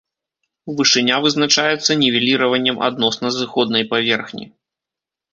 Вышыня вызначаецца нівеліраваннем адносна зыходнай паверхні.